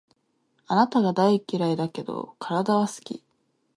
あなたが大嫌いだけど、体は好き